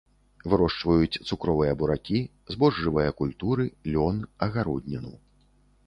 Вырошчваюць цукровыя буракі, збожжавыя культуры, лён, агародніну.